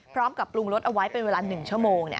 พร้อมกับปรุงรสเอาไว้เป็นเวลา๑ชั่วโมง